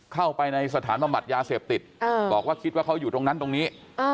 เข้าไปในสถานบำบัดยาเสพติดบอกว่าคิดว่าเขาอยู่ตรงนั้นตรงนี้